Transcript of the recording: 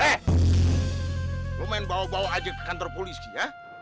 eh lumayan bawa bawa aja ke kantor polisi ya